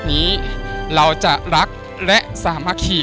ก็ต้องยอมรับว่ามันอัดอั้นตันใจและมันกลั้นไว้ไม่อยู่จริง